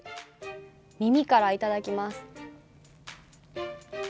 耳からいただきます。